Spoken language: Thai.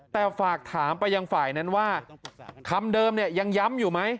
แต่ฝากถามไปยังฝ่ายนั้นว่าคำเดิมเนี่ยยังย้ำอยู่ไหม